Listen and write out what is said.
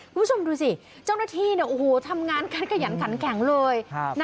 คุณผู้ชมดูสิเจ้าหน้าที่เนี่ยโอ้โหทำงานกันกระหยันขันแข็งเลย